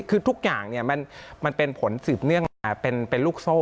คือทุกอย่างมันเป็นผลสืบเนื่องมาเป็นลูกโซ่